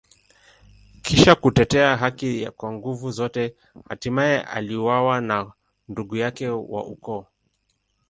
Kisha kutetea haki kwa nguvu zote, hatimaye aliuawa na ndugu yake wa ukoo.